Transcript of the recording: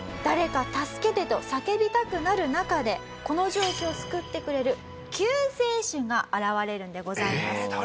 誰か助けて！と叫びたくなる中でこの状況を救ってくれる救世主が現れるんでございます。